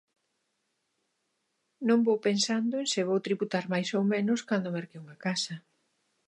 Non vou pensando en se vou tributar máis ou menos cando merque unha casa.